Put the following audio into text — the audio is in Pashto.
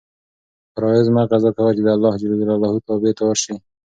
فرایض مه قضا کوه چې د اللهﷻ تابع دار شې.